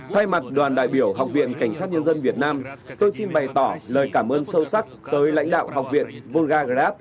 thay mặt đoàn đại biểu học viện cảnh sát nhân dân việt nam tôi xin bày tỏ lời cảm ơn sâu sắc tới lãnh đạo học viện volga grab